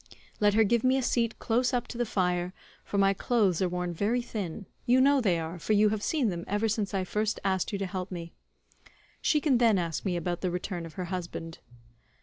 Let her give me a seat close up to the fire, for my clothes are worn very thin—you know they are, for you have seen them ever since I first asked you to help me—she can then ask me about the return of her husband."